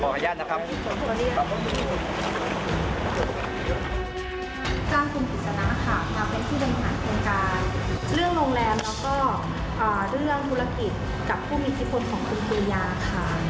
โรงแรมแล้วก็เรื่องธุรกิจกับผู้มีคิดควรของคุณปริยาค่ะ